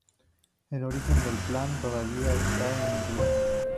El origen del Plan todavía está en duda.